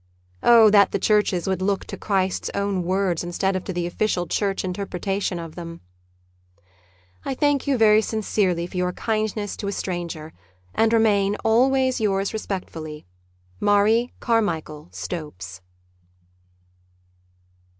Oh, that the Churches would look to Christ's own words instead of to the official Church interpretation of them ! I thank you very sincerely for your kindness to a sttanger and remain, always yours respectfully, ' MARIE CARMICHAEL STOPES.